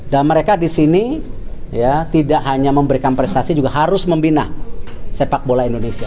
dan mereka di sini tidak hanya memberikan prestasi juga harus membina sepak bola indonesia